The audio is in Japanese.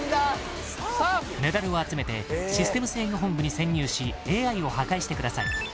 メダルを集めてシステム制御本部に潜入しＡＩを破壊してください